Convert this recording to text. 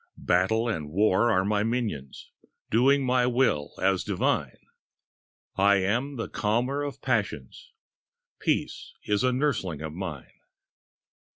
Battle and war are my minions, Doing my will as divine; I am the calmer of passions, Peace is a nursling of mine.